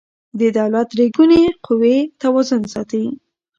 د دولت درې ګونې قوې توازن ساتي